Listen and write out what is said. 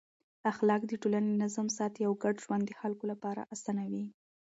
اخلاق د ټولنې نظم ساتي او ګډ ژوند د خلکو لپاره اسانوي.